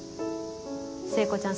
聖子ちゃん